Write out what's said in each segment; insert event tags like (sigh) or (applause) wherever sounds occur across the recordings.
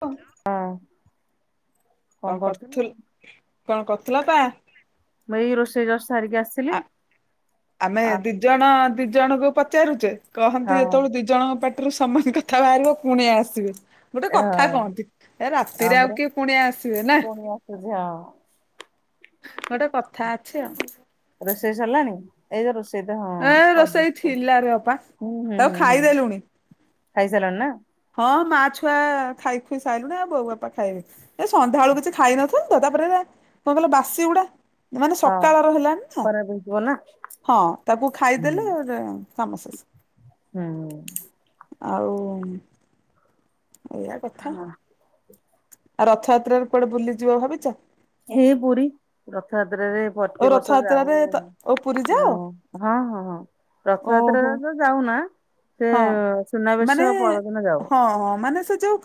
ଅ ହଁ କଅଁ କରୁଥିଲୁ। କଅଁ କରୁଥିଲୁ ଅପା? ମୁଁ ଏଇ ରୋଷେଇ ଜଷ୍ ସାରିକି ଆସ୍ ଆ ଆମେ ଦି ଜଣ ଦି ଜଣଙ୍କୁ ପଚାରୁ ଚେ। କହନ୍ତି ହଁ ଯେତେବେଳେ ଦି ଜଣଙ୍କ ପାଟିରୁ ସମାନ କଥା ବାହାରିବ କୁଣିଆ ଆସିବେ। ଗୋଟେ ହଁ କଥା କହନ୍ତି ଏ ରାତିରେ ହଁ ଆଉ ପରା କିଏ ପୁଣିଆ ଆସିବେ ନା। ପୁଣି ଆସୁଛି ହଁ। ଗୋଟେ କଥା ଅଛି ଆଉ। ରୋଷେଇ ସରିଲାଣି? ଏଇ ତ ରୋଷେଇ ତ ହଁ ଏ ରୋଷେଇ କରିଦେଇଚି କୋଉଚି ଥିଲାରେ ଅପା। ହୁଁ ତାକୁ ହୁଁ ହୁଁ। ଖାଇଦେଲୁଣି ଖାଇସାରିଲେଣି ନା। ହଁ ମା ଛୁଆ ଖାଇ ଖୁଇ ସାଇିଲୁଣି ଆଉ ବୋଉ ବାପା ଖାଇବେ। ଏ ସନ୍ଧ୍ୟାବେେଳୁ କିଛି ଖାଇ ନଥିଲୁ ତ ତାପରେ ଏରା କଅଁ କହିଲ ବାସି ଉଡା। ମାନେ ହଁ ସକାଳର ହେଲାାନି ନା ଖରାପ ହେଇଯିବ ନା। ହଁ ତାକୁ ଖାଇଦେଲେ ଗୋଟେ କାମସେସ୍। ହୁଁ ହୁଁ। ଆଉ ଏଇଆ କଥା। ଆଉ ରଥଯାତ୍ରାରେ କୁଆଡେ ବୁଲିଯିବ ଭାବିଛ? ଏଇ ପୁରୀ ରଥଯାତ୍ରାରେ ଓ ପ୍ରତି ବର୍ଷ ରଥଯାତ୍ରାରେ ଯାଉ ତ ଓ ପୁରୀ ଯାଅ? ହଁ ହଁ ହଁ ଓହୋ। ରଥଯାତ୍ରାରେ ତ ଯାଉନ? ହଁ ମାନେ ଯାଉ। ହଁ ମାନେ ସେ ଯଉ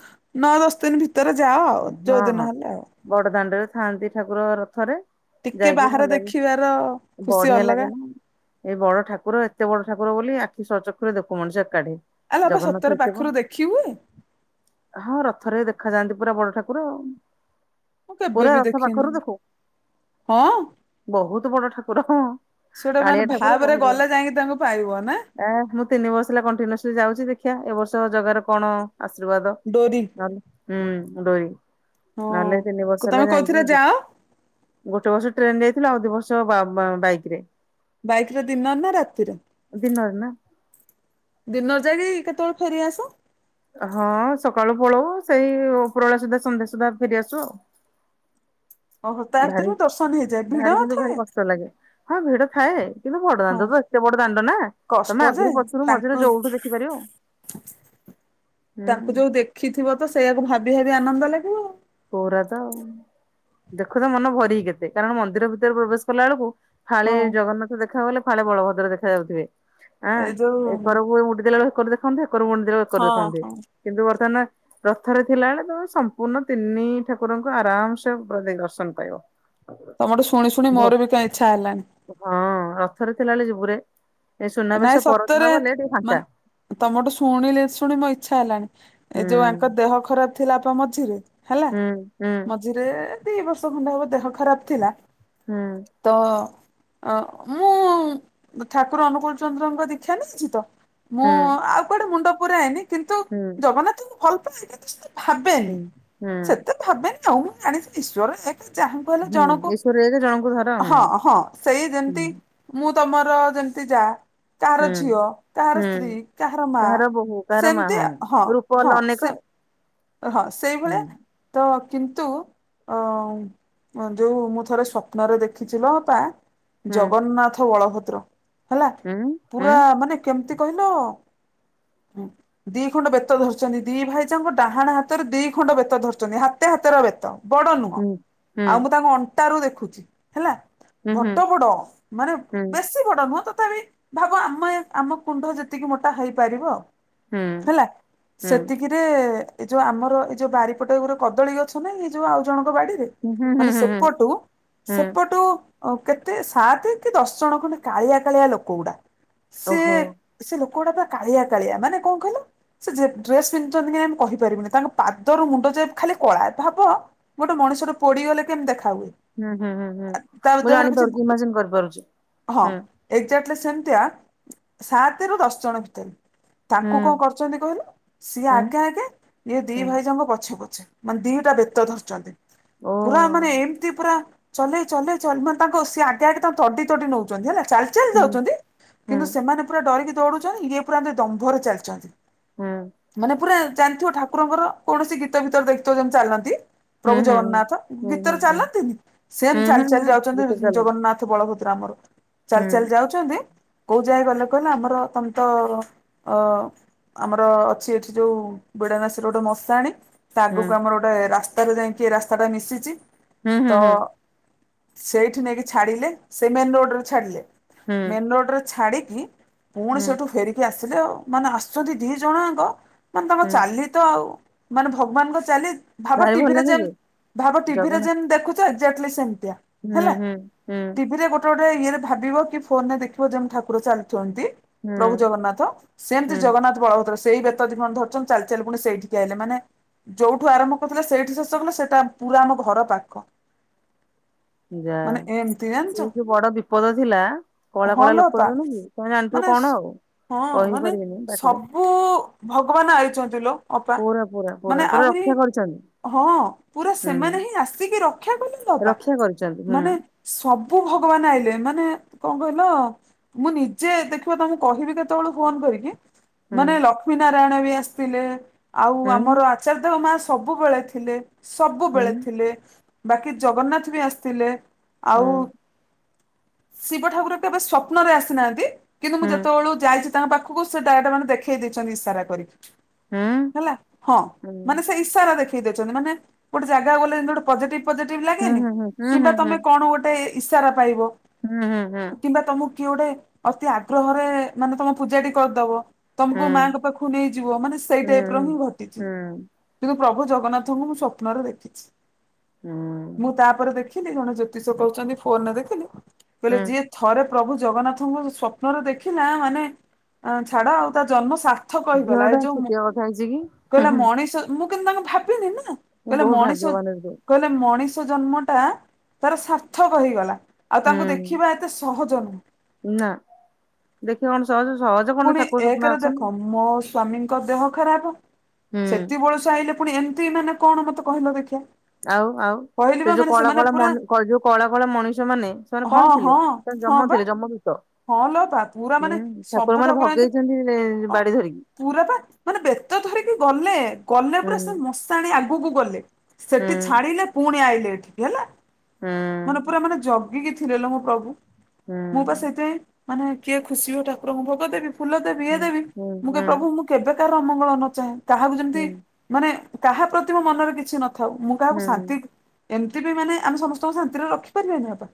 ନଅ ଦଶ ଦିନ୍ ଭିତରେ ଯାଅ ଯଉଦିନ ହେଲେ। ବଡ଼ ଦାଣ୍ଡରେ ଥାଆନ୍ତି ଠାକୁର ରଥରେ। ଟିକେ ଯାଇକି ବାହାରେ ଭଲ ବି ଦେଖିବାର ଖୁସି ବଢ଼ିଆ ଅଲଗା ଲାଗେ ନା। ଏଇ ବଡ଼ ଠାକୁର ଏତେ ବଡ଼ ଠାକୁର ବୋଲି ଆଖି ସଚକ୍ଷୁରେ ଦେଖୁ ମଣି ସେ ଏକାଠି। ଆଲୋ ଅପା ଜଗନ୍ନାଥ ସତରେ ଏତେ ବଡ ପାଖରୁ ଦେଖିବୁ? ହଁ ରଥରେ ଦେଖାଯାଆନ୍ତି ପୁରା ବଡ଼ ଠାକୁର। ମୁଁ କେବେ ପୁରା ବି ରଥ ଦେଖିନି ପାଖରୁ ଦେଖୁ ହଁ। ବହୁତ ବଡ଼ ଠାକୁର। ସେଟା କାଳିଆ ମାନେ ବାହା ଠାକୁର ଘରେ ବହୁତ ବଡ। ଗଲେ ଯାଇକି ତାଙ୍କୁ ପାଇବ ନା? ଏ ମୁଁ ତିନି ବର୍ଷ ହେଲା କଣ୍ଟିନ୍ୟୁସଲି ଯାଉଛି ଦେଖିବା ଏବ ବର୍ଷ ଜଗାରେ କଣ ଆଶୀର୍ବାଦ ଡୋରି ହୁଁ ଡୋରି ନହେଲେ ତିନି ହଁ। ବର୍ଷ ତମେ ହେଲା କୋଉଥିରେ ଯାଇଥାଆନ୍ତି। ଯାଅ ଗୋଟେ ବର୍ଷ ଟ୍ରେନ ଯାଇଥିଲ ଆଉ ଦିଇ ବର୍ଷ ବାଇକ୍ ରେ। ବାଇକ ରେ ଦିନ ନା ରାତିରେ? ଦିନରେ ନା। ଦିନରେ ଯାଇକି କେତେବେଳେ ଫେରି ଆସ? ହଁ ସକାଳୁ ପଲଇବୁ ସେଇ ଉପରବେଳେ ସୁଦ୍ଧା ସନ୍ଧ୍ୟା ସୁଦ୍ଧା ଫେରିଆସୁ ଆଉ। ଓହୋ ତା ଭାରି ଭିତରେ ବି ଦର୍ଶନ ହେଇଯାଏ ଭିଡ ବାହାରେ କିନ୍ତୁ ଥାଏ ଭାରି କଷ୍ଟ ଲାଗେ ହଁ ଭିଡ଼ ଥାଏ। କିନ୍ତୁ ବଡ଼ ହଁ ଦାଣ୍ଡତ ଏତେ ବଡ଼ ଦାଣ୍ଡ ନା ତମେ କଷ୍ଟ ଯେ ଆଗରୁ ପଛରୁୁ ମଝିରେ ତାଙ୍କୁ ଯଉଠୁ ଦେଖିପାରିବ। (inaudible) ତାଙ୍କୁ ହୁଁ ଯଉ ଦେଖିଥିବ ତ ସେଇଆକୁ ଭାବି ଭାବି ଆନନ୍ଦ ଲାଗିବ। ପୁରାତ ଦେଖୁ ଦେଖୁ ମନ ଭରି କେତେ କାରଣ ମନ୍ଦିର ଭିତରେ ପ୍ରବେଶ କଲା ବେଳକୁ ଫାଳେ ହଁ। ଜଗନ୍ନାଥ ଦେଖା ଗଲେ ଫାଳେ ବଳଭଦ୍ର ଦେଖା ଯାଉଥିବେ। ଆଁ ଏଇ ଯୋଉ ଏକରକୁ ଉଡି ଦେଲା ବଳ ଏକର ଦେଖାଆନ୍ତୁ ଏକରକୁ ମୁଣ୍ଡିଦେଲା ବଳେ ଏକ କରି ହଁ ଦେଖନ୍ତୁ। ହଁ କିନ୍ତୁ ବର୍ତ୍ତମାନ ରଥରେ ଥିଲାବେେଳେ ତ ସମ୍ପୂର୍ଣ୍ଣ ତିନି ଠାକୁରଙ୍କୁ ଆରାମସେ ପ୍ରତି ଦର୍ଶନ ପାଇବ। ତମଠୁ ଶୁଣି ଶୁଣି ମର ବି କାଇଁ ଇଚ୍ଛା ହେଲାଣି। ହଁ ରଥରେ ଥିଲା ବଳେ ଯିବୁରେ ଏ ନାଇଁ ସୁନାବେଶ ସତରେ ପରଦିନ ଗଲେ ଟିକେ ଫାଙ୍କା। ମାନେ ତମଠୁ ଶୁଣିଲି ଶୁଣି ମୋ ଇଚ୍ଛା ହେଲାଣି ଏ ଯଉ ହୁଁ। ଆଙ୍କ ଦେହ ଖରାପ୍ ଥିଲା ମଝିରେ। ହେଲା। ହୁଁ ହୁଁ। ଦି ବର୍ଷ ଖଣ୍ଡେ ହବ ଦେହ ଖରାପ ଥିଲା। ହୁଁ। ତ ଅ ମୁଁ ଠାକୁର ଅନୁକଳ ଚନ୍ଦ୍ରଙ୍କ ଦୀକ୍ଷା ନିଶ୍ଚିତ ମୁଁ ଆଉ କୁଆଡ଼େ ମୁଣ୍ଡ ପୁରାଏନି କିନ୍ତୁ ହୁଁ। ଜଗନ୍ନାଥଙ୍କୁ ଭଲ ପାଏ କିନ୍ତୁ ସେତ ଭାବେନି ସେତେ ଭାବେନି ଆଉ ମୁଁ ଜାଣିଛିି ଈଶ୍ୱର ଚାହୁଁ କହିଲେ ଜଣକୁ ସୁରରେ ଜଣଙ୍କୁ ଧର ହୁଁ। ହଁ ହଁ ସେଇ ହୁଁ ଯେମିତି ମୁଁ ତମର ଯେମିତି ଯା କାହାର ହୁଁ ଝିଅ କାହାର ହୁଁ ସ୍ତ୍ରୀ କାହାର ମା ବୋହୂ କାହାର ମା ସେମିତି ହଁ ରୂପ ଅଲ ହଁ ଅନେକ। ସେ ହଁ ସେଇଭଳିଆ ହୁଁ ତ କିନ୍ତୁ ଅ ଯଉ ମୁଁ ଥରେ ସ୍ୱପ୍ନରେ ଦେଖିଛି ଲୋ ଅପା। ହୁଁ ଜଗନ୍ନାଥ ବଳଭଦ୍ର ହେଲା ହୁଁ ହୁଁ ପୁରା ମାନେ କେମତି କହିଲ ଦି ଖଣ୍ଡ ବେତ ଧରିଛନ୍ତି ଦି ଭାଇ ଯା ଡହାଣ ହାତରେ ଦି ଖଣ୍ଡ ବେତ ଧରିଛନ୍ତି ହାତ ହାତର ବେତ ବଡ଼ ନୁହଁ ହୁଁ ହୁଁ ଆଉ ମୁଁ ତାଙ୍କ (unintelligible) ରୁ ଦେଖୁଚି ହେଲା ହୁଁ ହୁଁ। ହୁଁ ହୁଁ ବଡ-ବଡ ମାନେ ହୁଁ ବେଶୀ ବଡ ନୁହଁ ତଥାପି ଭାବ (unintelligible) ଆମ କୁଣ୍ଡ ଯେତିକି ମୋଟା ହେଇପାରିବ। ହୁଁ-ହୁଁ। ଏଇ ଯୋଉ ଆମର ଏଇ ଯୋଉ ବାରିପଟ (unintelligible) କଦଳୀ ଗଛ ନାହିଁ ଏଇ ଯୋଉ ଆଉ ଜଣଙ୍କ ବାଡିରେ ହୁଁ ହୁଁ ମାନେ ହୁଁ ସେପଟୁ-ସେପଟୁ ଓ କେତେ ସାତେ କି ଦଶ ଜଣ ଖଣ୍ଡେ କାଳିଆ-କାଳିଆ ଲୋକ ଗୁଡା ସିଏ ଓହୋ। ସେ ଲୋକ ଗୁଡା (unintelligible) କାଳିଆ କାଳିଆ ମାନେ କଣ କହିଲ ସେ ଡ୍ରେସ୍ ପିନ୍ଧିଚନ୍ତି (unintelligible) କହିପାରିବିନି ତାଙ୍କ ପାଦରୁ ମୁଣ୍ଡ ଯାଏଁ ଖାଲି କଳା ଭାବ ଗୋଟେ ମଣିଷ ର ପୋଡିଗଲେ କେମ୍ତି ଦେଖା ହୁଏ ହୁଁ-ହୁଁ-ହୁଁ-ହୁଁ ତା ମୁଁ ଦେହରେ ଜାଣି କିଛି ପାରୁଚି ଇମାଜିନ୍ କରିପାରୁଚି ହଁ ହୁଁ। ଏକ୍ଜାକ୍ଟଲି ସେମ୍ତିଆ ସାତେ ରୁ ଦଶ ଜଣ ଭିତରେ। ହୁଁ ତାଙ୍କୁ କଣ କରୁଚନ୍ତି କହିଲୁ ସିଏ ହୁଁ ଆଗେ-ଆଗେ ଦି ହୁଁ। ଭାଇ ଜାଙ୍କ ପଛେ-ପଛେ ମାନେ ଦିଟା ବେତ ଧରଚନ୍ତି ଓ ପୁରା ମାନେ ଏମ୍ତି ପୁରା ଚଲେଇ-ଚଲେଇ (unintelligible) ମାନେ ତାଙ୍କ ସିଏ ଆଗେ-ଆଗେ (unintelligible) ତଡି-ତଡି ନଉଚନ୍ତି ହେଲା, ଚା (unintelligible) ଚାଲି ହୁଁ ଯାଉଚନ୍ତି ହୁଁ କିନ୍ତୁ ସେମାନେ ପୁରା ଡରିକି ଦୌଡୁଚନ୍ତି ଇଏ ପୁରା (unintelligible) ଦମ୍ଭରେ ଚାଲିଚନ୍ତି। ହୁଁ। ମାନେ ପୁରା ଜାଣିଥିବ ଠାକୁରଙ୍କର କୌଣସି ଗୀତ ଭିତରେ ଦେଖଥିବ ଯେମ୍ତି ଚାଲନ୍ତି ହୁଁ ପ୍ରଭୁ ହୁଁ ହୁଁ ହୁଁ ଜଗନ୍ନାଥ ହୁଁ ହୁଁ ଭିତରେ ହୁଁ। ଚାଲନ୍ତିନି ସେମ୍ତି ହୁଁ ହୁଁ ଚାଲି-ଚାଲି ହୁଁ ଗୀତରେ ଯାଉଚନ୍ତି ଚାଲନ୍ତି ଜଗନ୍ନାଥ ବଳଭଦ୍ର ଆମର ହୁଁ ଚାଲି-ଚାଲି ଯାଉଚନ୍ତି କୋଉ ଯାଏଁ ଗଲେ କହିଲେ ଆମର (unintelligible) ଅ ଆମର ଅଛି ଏଠି ଯୋଉ ବିଡାନାସ୍ ରେ ଗୋଟେ ମଶାଣି ତା ହୁଁ ଆଗକୁ ଆମର ଗୋଟାଏ ରାସ୍ତାରେ ଯାଇକି ରାସ୍ତାଟା ମିଶିଚି ହୁଁ ହୁଁ ତ ସେଇଠି ନେଇକି ଛାଡିଲେ ସେ ମେନ୍ ରୋଡ୍ ରେ ଛାଡିଲେ ହୁଁ ହୁଁ ମେନ୍ ରୋଡ୍ ରେ ଛାଡିକି ପୁଣି ହୁଁ ସେଠୁ ଫେିରି କି ଆସିଲେ ମାନେ ଆସୁଚନ୍ତି ଦି ଜଣ ଜାଙ୍କ ମାନେ ତମର ହୁଁ ଚାଲି ତ ଆଉ ମାନେ ଭଗବାନ୍ ଙ୍କ ଚାଲି ଭାବ ଭାରି ଭଲ ଟିଭିରେ ଲାଗେ ଯେନ୍ ଯେ ଭାବ ଟିଭି ରେ ଜଗନ୍ନା ଯେନ୍ ଦେ (unintelligible) ସେମ୍ତିଆ ହୁଁ ହେଲା ହୁଁ ହୁଁ ଟିଭିରେ (unintelligible) ଗୋଟେ ଇଏରେ ଭିବ କି ଫୋନ୍ ରେ ଦେଖିବ ଯେମ୍ତି ଠାକୁର ଚାଲିଚନ୍ତି ହୁଁ ପ୍ରଭୁ ଜଗନ୍ନାଥ ସେମ୍ତି ହୁଁ ଜଗନ୍ନାଥ ବଳଭଦ୍ର ସେଇ ବେତ ଦି (unintelligible) ଧରିଚନ୍ତି ଚାଲି-ଚାଲି ପୁଣି ସେଇଠିକି ଆଇଲେ ମାନେ ଯୋଉଠୁ ଆରମ୍ଭ (unintelligible) ସେଇଠି ଶେଷ କଲେ ସେଇଟା ପୁରା ଆମ ଘର ପାଖ। ଯା। ମାନେ ଏମିତି ସେ ଜାଣିଛ। ଯୋଉ ବଡ ବିପଦ ଥିଲା ହଁ କଳା-କଳା ଲୋ ଲୋକ ଅପା (unintelligible) କି ତମେ ଜାଣିଥିବ ମାନେ କଣ ଆଉ। ହଁ ମାନେ କହିପାରିବିନି ପାଟିରେ ସବୁ ଭଗବାନ୍ ଆଇଚନ୍ତି ଲୋ। ଅପା। ମାନେ ପୁରା-ପୁରା-ପୁରା-ପୁରା ଆହୁରି ରକ୍ଷା କରିଚନ୍ତି? ହଁ ପୁରା ସେମାନେ ହିଁ ଆସିକି ରକ୍ଷା କଲେ ଲୋ ଅପା, ରକ୍ଷା କରିଛନ୍ତି ହୁଁ ମାନେ ସବୁ ଭଗବାନ୍ ଆଇଲେ ମାନେ କଣ କହିଲ ମୁଁ ନିଜେ ଦେଖିବ ତମୁକୁ କହିବି କେତବେଳୁ ଫୋନ୍ କରିକି ହୁଁ ମାନେ ଲକ୍ଷ୍ମୀ ନାରାୟଣ ବି ଆସିଥିଲେ ଆଉ ହୁଁ ଆମର (unintelligible) ମା ସବୁବେଳେ ଥିଲେ ହୁଁ ସବୁବେଳେ ଥିଲେ। ବାକି ଜଗନ୍ନାଥ ବି ଆସିଥିଲେ ଆଉ ହୁଁ ଶିବ ଠାକୁର କେବେ ସ୍ଵପ୍ନରେ ଆସିନାହାନ୍ତି କିନ୍ତୁ ମୁଁ ହୁଁ ଯେତବେଳୁ ଯାଇ ତାଙ୍କ ପାଖକୁ ସେ (unintelligible) ମାନେ ଦେଖେଇ ଦେଇଚନ୍ତି ଇସାରା କରିକି। ହୁଁ ହେଲା ହଁ ହୁଁ ମାନେ ସେ ଇଶାରା ଦେଖେଇ ଦେଉଚନ୍ତି ମାନେ ଗୋଟେ ଜାଗା ଗଲେ (unintelligible) ପଜେଟିଭ-ପଜେଟିଭ ଲାଗେନି ହୁଁ ହୁଁ ହୁଁ ହୁଁ ହୁଁ ହୁଁ କିମ୍ବା ତମେ କଣ ଗୋଟେ ଇାଶାରା ପାଇବ। ହୁଁ ହୁଁ ହୁଁ। କିମ୍ବା ତମକୁ କିଏ ଗୋଟେ ଅତି ଆଗ୍ରହରେ ମାନେ ତମ ପୂଜା ଟି କରିଦବ। ତମକୁ ମା ଙ୍କ ପାଖକୁ ନେଇଯିବ ମାନେ ସେଇ ହୁଁ ଟାଇପ ର ହିଁ ହୁଁ ଘଟିଥିବ। ହୁଁ କିନ୍ତୁ ପ୍ରଭୁ ଜଗନ୍ନାଥଙ୍କୁ ମୁଁ ସ୍ୱପ୍ନରେ ଦେଖିଛି ହୁଁ ମୁଁ ତାପରେ ଦେଖି ଜଣେ ଜ୍ୟୋତିଷ କହୁଛନ୍ତି ଫୋନ ରେ ଦେଖିଲି କହିଲେ ହୁଁ। ଯିଏ ଥରେ ପ୍ରଭୁ ଜଗନ୍ନାଥଙ୍କୁ ସ୍ବପ୍ନ ରେ ଦେଖିଲା ମାନେ ଛାଡ ଆଉ ତା ଜନ୍ମସା ର୍ଥକ ହେଇଗଲା ଏ ଯୋଉ ଚାଛି କିି (unintelligible) କହିଲା ମଣିଷ ମୁଁ କିନ୍ତୁ ତାଙ୍କୁ ଭାବିନି ନା କହିଲେ ବହୁତ ମଣିଷ ଭାଗ୍ୟବାନ ରେ ସେ। କହିଲେ ମଣିଷ ଜନ୍ମଟା ତାର ସାର୍ଥକ ହେଇଗଲା। ଆଉ ତାଙ୍କୁ ହୁଁ ଦେଖିବା ଏତେ ସହଜ ନୁହେଁ। ନା ଦେଖିବା କଣ ସହଜ ସହଜ କଣ ଠାକୁର ସ୍ୱପ୍ନ ଆ ସନ୍ତି। ମୋସୋ ସ୍ଵାମୀଙ୍କ ଦେହ ଖରାପ ହୁଁ ସେତିବଳ ସେ ଆଇଲେ ପୁଣି ଏମିତି ମାନେ କଣ ମତେ କହିଲ ଦେଖିଆ। ଆଉ ଆଉ ସେ ଯୋଉ କଳା କଳା ଯୋଉ କଳା କଳା ମଣିଷ ମାନେ ସେମାନେ ହଁ କଣ ହଁ ଥିଲେ? ସେ ହଁ ଯମ ଥିଲେ ବା ଯମ ଦୂତ। ହଁ ଲ ଅପା ପୁରା ମାନେ ସବୁଠୁ ମଗେଇଛନ୍ତି। ହଁ ପୁରା ପା ମାନେ ବେତ ଧରିକି ଗଲେ ଗଲେ ହୁଁ ପୁରା ସେ ମଶାଣି ଆଗକୁ ଗଲେ ହୁଁ ସେଠି ଛାଡିଲେ ପୁଣି ଆଇଲେ ଏଠିକି ହେଲା। ହୁଁ ମାନେ ପୁରା ମାନେ ଜଗିକି ଥିଲେ ଲ ମୋ ପ୍ରଭୁ ହୁଁ ମୁଁ ବା ସେ ମାନେ କିଏ ଖୁସି ହେଇ ଠାକୁରଙ୍କୁ ଭୋଗ ଦେବି ଫୁଲ ଦେବି ଇଏ ହୁଁ ଦେବି ହୁଁ ମୁଁ ହୁଁ କହିବି ପ୍ରଭୁ ମୁ କେବେକାର ଅମଙ୍ଗଳ ନ ଚାହେଁ କାହାକୁ ଯେମିତି ହୁଁ ମାନେ କାହା ପ୍ରତି ମୋ ମନରେ କିଛି ନ ଥାଉ ମୁଁ କାହାକୁ ଶାନ୍ତି ହୁଁ ଏମିତି ବି ମାନେ ଆମେ ସମସ୍ତଙ୍କୁ ଶାନ୍ତିରେ ରଖିପାରିବନି ବାପା।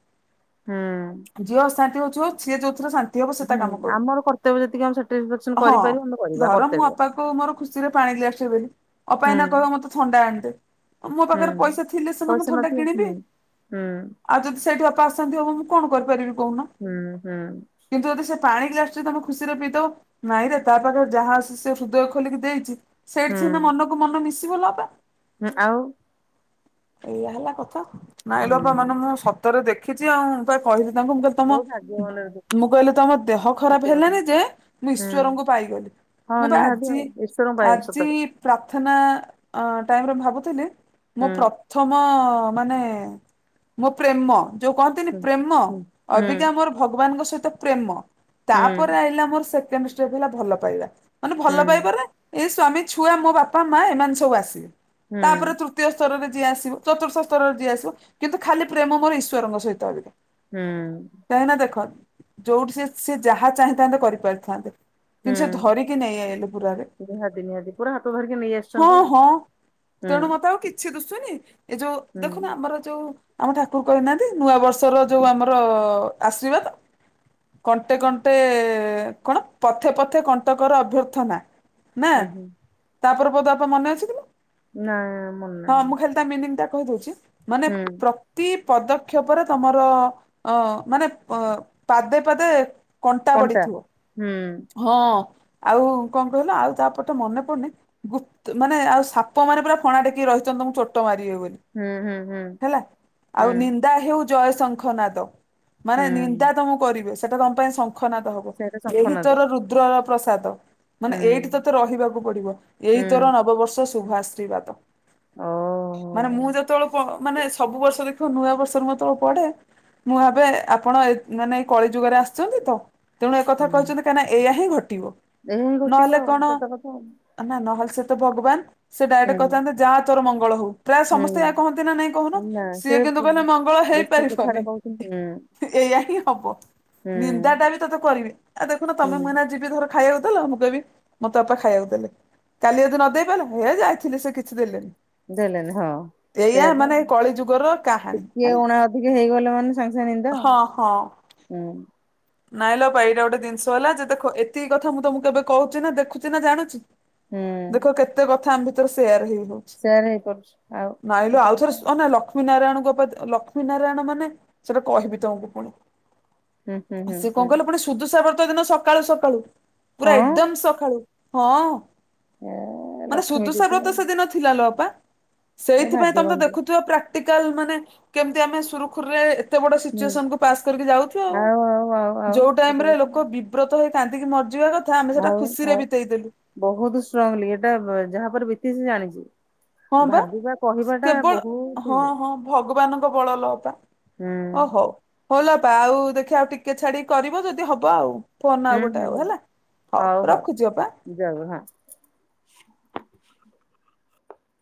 ହୁଁଉଁ। ଯିଏ ଅଶାନ୍ତି ହଉଛିିହଉ ସିଏ ଯଉଥିରେ ଶାନ୍ତି ହବ ସେତ ହୁଁ କାମ ଆମର କର୍ତ୍ତବ୍ୟ ଯେତିକି ଆମେ ସାଟିସ୍ଫାକ୍ସନ କରୁ ହଁ କରିପାରିବା ଆମେ କରିବା ଧର ମୁଁ କର୍ତ୍ତବ୍ୟ। ଅପା କୁ ମୋର ଖୁସି ଖୁସିରେ ରେ ପାଣି ଗ୍ଲାସ ଟେ ଦେଲି ଅପାଏଇନା ହୁଁ। କହିବ ମତେ ଥଣ୍ଡା ଆଣଦେ ମୋ ହୁଁ ପାଖରେ ପଇସା ଥିଲେ ସିନା ମୁଁ ପଇସା ଥଣ୍ଡା ନଥିବ କିଣିବି। ହୁଁ। ହୁଁ ଆଉ ଯଦି ସେଇଠି ଅପା ଆସନ୍ତି ଆଉ ମୁଁ କଣ କରିପାରିବି କହୁନ? ହୁଁ ହୁଁ କିନ୍ତୁ ଯଦି ସେ ପାଣିି ଗ୍ଲାସ ଟେତମେ ଖୁସିରେ ପିଦବ। ନାଇଁରେ ତା ପାଖରେ ଯାହା ଅଛି ସେ ହୃଦୟ ଖୋଲିକି ଦେଇଛି। ସେଇଠି ସିନା ହୁଁ ମନକୁ ମନ ମିଶିଵ ଲ ଅପା। ହୁଁ ଆଉ। ଏଇଆ ହେଲା କଥା ନା ଲ ହୁଁ। ଅପା ମାନେମୁଁ ସ ତରେ ଦେଖିଛି ଆଉ ମୁଁ ପା କହିଲି ତାଙ୍କୁ ମୁଁ କହିଲି ତମ ବହୁତ ଭାଗ୍ୟବାନ ହୁଁ ମୁଁ କହିଲି ତମ ଦେହ ଖରାପ ହେଲାନି ଯେ ମୁଁ ଈଶ୍ୱର ଙ୍କୁ ପାଇଗଲି। ହଁ ମୁଁ ବା ନିହାତି ଆଜି ଆଉ ଈଶ୍ୱରଙ୍କ ପାଇଁ ଆଜି ସତରେ ପ୍ରାର୍ଥନା ଟାଇମରେ ଭାବୁଥିଲି ହୁଁ ମୋପ୍ର ପ୍ରଥମ ମାନେ ମୋ ପ୍ରେମ। ଯୋଉ କହନ୍ତିନି ହୁଁ। ପ୍ରେମ ହୁଁ ହୁଁ ଅବିକା ମୋର ଭଗବାନଙ୍କ ସହିତ ପ୍ରେମ। ହୁଁ ତାପରେ ଆଇଲା ଆମର ସେକେଣ୍ଡ ଷ୍ଟେପ ହେଲା ଭଲ ପାଇବା ମାନେ ଭଲ ହୁଁ ପାଇବା ରେ ଏ ସ୍ଵାମୀ ଛୁଆ ମୋ ବାପା ମା ଏମାନେ ସବୁ ଆସିବେ। ତାପରେ ହୁଁ ତୃତୀୟ ତୀୟ ସ୍ତରରେ ଯିଏ ଆସିବ ଚତୁର୍ଥ ସ୍ତରରେ ଯିଏ ଆସିବ କିନ୍ତୁ ଖାଲି ପ୍ରେମ ମୋର ଈଶ୍ୱରଙ୍କ ସହିତ ଅଧିକ। ହୁଁ। କାହିଁକି ନା ଦେଖ ଯୋଉଠି ସେ ସେ ଯାହା ଚାହିଁଥାନ୍ତେ କରିପାରିଥାନ୍ତେ। କିନ୍ତୁ ସେ ହୁଁ। ଧରିକି ନେଇ ଆଇଲେ ପୁରାରେ ନିହାତି ନିହାତି ପୁରା ହାତ ଧରିକି ନେଇ ହଁ ଆସିଛନ୍ତି ଆଉ ହଁ। ହୁଁ ତେଣୁ ମତେ ଆଉ କିଛି ଦୁଶୁନି ଏ ଯୋଉ ଦେଖୁନ ହୁଁ। ଆମର ଯୋଉ ଆମ ଠାକୁର କହିନାହାନ୍ତି ନୂଆ ବର୍ଷର ଯୋଉ ଆମର ଆଶୀର୍ବାଦ କଣ୍ଟେ କଣ୍ଟେ କଣ ପଥେ ପଥେ କଣ୍ଟକର ଅଭ୍ୟର୍ଥନା। ନାଁ ଉଁ ହୁଁ ତାପରେ ବୋଧେ ଅପା ମନେ ଅଛି ତୁମ ନାଁ ମନ ନାଇଁ। ତା ମିଳିଙ୍ଗଟା କହି ଦୋଉଚି ମାନେ ପ୍ର ତି ପଦକ୍ଷପରେ ତମର ଅଁ ମାନେ ଅଁ ପାଦେ ପାଦେ କଣ୍ଟା ପଡ଼ିଥିବ ହୁଁ ହଁ ଆଉ କଁ କହିଲ ଆଉ ତାପରଟା ମନେ ପଡୁନି। ଗୁପ୍ତ ମାନେ ଆଉ ସାପ ମାନେ ପୁରା ଫଣା ଟେକି ରହିଚନ୍ତି ତ ଚୋଟ ମାରିବେ ବୋଲି। ହୁଁ ହୁଁ ହୁଁ ହେଲା ହୁଁ ଆଉ ନିନ୍ଦା ହେଉ ଜୟ ଶଙ୍ଖ ନାଦ। ମାନେ ହୁଁ ନିନ୍ଦା ତମୁ କରିବେ ସେଟା ତମ ପାଇଁ ଶଙ୍ଖନାଦ ହବ ସେଇଟା ଏହି ଶଙ୍ଖନାଦ ତୋର ରୁଦ୍ରର ପ୍ରସାଦ। ମାନେ ହୁଁ ଏଇଠି ତତେ ରହିବାକୁ ପଡ଼ିବ ଏଇ ହୁଁ। ତୋର ନବବର୍ଷ ଶୁଭ ଆଶୀର୍ବାଦ। ଓହୋ ମାନେ ମୁଁ ଯେତୋଳ ପ ମାନେ ସବୁ ବର୍ଷ ଦେଖିବ ନୂଆ ବର୍ଷରୁ ମୁଁ ଏତୋଳ ପଢେ ମୁଁ ଭାବେ ଆପଣ ଏ ମାନେ କଳି ଯୁଗରେ ଆସଛନ୍ତି ତ ତେଣୁ ଏକଥା କହିଚନ୍ତି କାହିଁକି ନା ଏଇଆ ହିଁ ଘଟିବ। ଏହା ହିଁ ଘଟିବ ଆଉ ସତ କଥା ଆଉ। ଅନା ନହେଲେ ସେ ତ ଭଗବାନ ସେ ଡାଇରେକ୍ଟ ହୁଁ କହିଥାନ୍ତେ ଯାଆ ତୋର ମଙ୍ଗଳ ହଉ। ପ୍ରାୟ ସମସ୍ତେ ଏଇଆ କହନ୍ତି ନାଁ ନାଇଁ କହୁନ ହୁଁ ନା ସିଏ କିନ୍ତୁ କହିଲେ ମଙ୍ଗଳ ହେଇପାରିିବନି। ଉଁ ହୁଁ। ଏଇଆ ହିଁ ହବ ହୁଁ ନିନ୍ଦାଟା ବି ତତେ କରିବେ ଆ ଦେଖୁନ ତମେ ହୁଁ ମୁଁ ଏଇନା ଯିବି ଧର ଖାଇବାକୁ ଦେଲ ମୁଁ କହବି ମତେ ଅପା ଖାଇବାକୁ ଦେଲେ। କାଲି ଅଦି ନଦେଇ ପାଇଲ ହେ ଯାଇଥିଲି ସେ କିଛି ଦେଲେନି। ଦେଲେନି ହଁ। ଏଇଆ ସେଇଆ ତ ମାନେ କଳିଯୁଗର କାହାଣୀ, ହେଲା? ଠିକେ ହେଇଗଲେ ମାନେ ସାଙ୍ଗେ ସାଙ୍ଗେ ନିଦ ଆଉ। ହଁ ହଁ। ହୁଁ ନାଇଁ ଲୋ ଅପା ଏଇଟା ଗୋଟେ ଦିନିଷ ହେଲା ଯେ ଦେଖ ଏତିକି କଥା ମୁଁ ତମୁକୁ ଏବେ କହୁଚି ନା ଦେଖୁଚି ନା ଜାଣୁଚି? ହୁଁ ଦେଖ କେତେ କଥା ଆମ ଭିତରେ ସେୟାର ହେଇବ। ସେୟାର ହେଇପାରୁଛି ଆଉ ନାଇଁ ଲୋ ସତ ଆଉ ଥରେ କଥା ସ୍ ଅନା ଲକ୍ଷ୍ମୀ ନାରାୟଣଙ୍କ ପ୍ରତ୍ ଲକ୍ଷ୍ମୀ ନାରାୟଣ ମାନେ ସେଟା କହିବି ତମକୁ ପୁଣି ହୁଁ ହୁଁ ହୁଁ ସେ କଁ ହୁଁ କହିଲ ପୁଣି ସୁ ଶୁଦୁସା ବ୍ରତ ଦିନ ସକାଳୁ ସକାଳୁ ପୁରା ହଁ ଏକଦମ ସଖାଳୁ ହଁ। ଏ ମାନେ ଲକ୍ଷ୍ମୀଟି ଶୁଦୁସା ତ ବ୍ରତ ଆଉ ସେଦିନ ଥିଲା ଲୋ ଅପା ଏ ସେଇଥିପାଇଁ ତମେ ତ ଭାଗ୍ୟବାନଟି। ଦେଖୁଥୁବ ପ୍ରା ଟିକାଲ୍ ମାନେ କେମତି ଆମେ ସୁରୁଖୁରୁରେ ତେ ବଡ଼ ହୁଁ ସିଚୁଏସନ୍ କୁ ପାସ୍ କରିକି ଯାଉଚୁ ଆଉ ଆଉ ଆଉ ଯୋଉ ସତ ଟାଇମ୍ ରେ କଥା ଲୋକ ବି ବ୍ରତ ହେଇ କାନ୍ଦିକି ମରଯିବା କ ଆଉ ଆଉ ବହୁତ ଷ୍ଟ୍ରଙ୍ଗଲି ଏଟା ଯାହା ପରେ ବିତିଚି ଜାଣିଚି। ହଁ ପା କେବଳ ବହୁତ ହଁ ଇଏ। ହଁ ଭଗବାନଙ୍କ ବଳ ଲୋ ଅପା। ହୁଁ। ହଁ ଲୋ ଅପା ଆଉ ଦେଖିଆ ଆଉ ଟିକେ ଛାଡ଼ି କରିବ ଯଦି ହବ ଆଉ। ଫୋନ ହୁଁ ଆଉ ଗୋଟେ ହୁଁ ଆଉ ହେଲା ହଉ ରଖୁଚି ଅପା। ଯାଅ ହଁ।